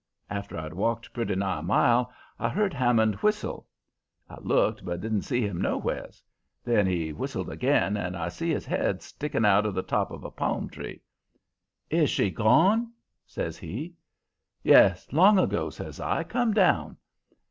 After I'd walked pretty nigh a mile I heard Hammond whistle. I looked, but didn't see him nowheres. Then he whistled again, and I see his head sticking out of the top of a palm tree. "'Is she gone?' says he. "'Yes, long ago,' says I. 'Come down.'